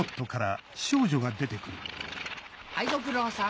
はいご苦労さん。